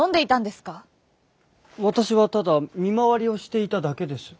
私はただ見回りをしていただけです。